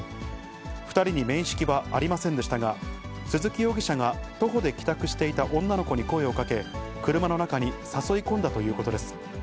２人に面識はありませんでしたが、鈴木容疑者が徒歩で帰宅していた女の子に声をかけ、車の中に誘い込んだということです。